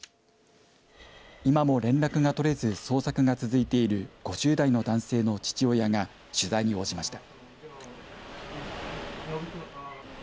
今も連絡が取れず捜索が続いている５０代の男性の父親が取材に応じました。